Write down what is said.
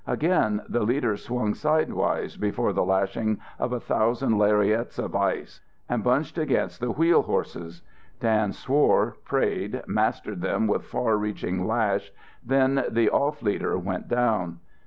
Again the leaders swung sidewise before the lashing of a thousand lariats of ice and bunched against the wheel horses. Dan swore, prayed, mastered them with far reaching lash, then the off leader went down.